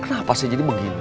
kenapa sih jadi begini